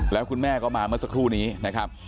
แล้วคุณแม่ก็มาเมื่อสักครู่นี้นะครับ